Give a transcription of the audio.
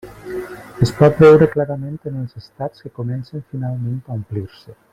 Es pot veure clarament en els estats que comencen finalment a omplir-se.